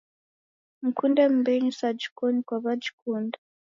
Mkunde mbenyuu sajikoni kwawajikunda